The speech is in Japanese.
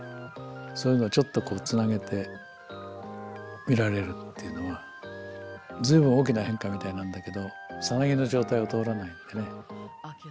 そういうのをちょっとつなげて見られるっていうのは随分大きな変化みたいなんだけどサナギの状態を通らないのでね。